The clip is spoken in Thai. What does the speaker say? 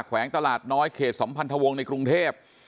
แขวงตลาดน้อยเขตสัมพันธวงศ์ในกรุงเทพ